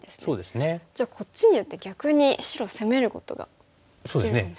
じゃあこっちに打って逆に白を攻めることができるかもしれない。